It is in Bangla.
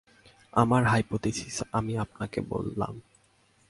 আমার হাইপোথিসিস আমি আপনাকে বললাম।